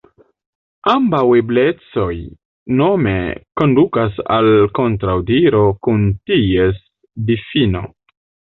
Ambaŭ eblecoj nome kondukas al kontraŭdiro kun ties difino.